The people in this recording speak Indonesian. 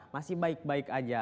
masih baik baik aja